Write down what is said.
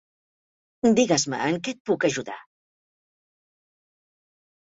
Digues-me en què et puc ajudar.